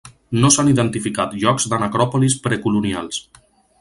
No s'han identificat llocs de necròpolis pre-colonials.